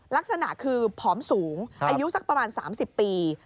ลักษณะคือผอมสูงอายุสักประมาณ๓๐ปี